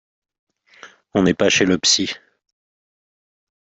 On n’est pas chez le psy